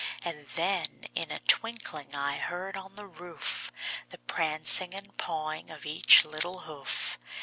And then in a twinkling I heard on the roof, The prancing and pawing of each little hoof.